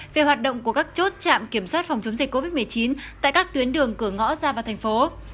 về hoạt động của các chốt trạm kiểm soát phòng chống dịch covid một mươi chín tại các tuyến đường cửa ngõ ra vào thành phố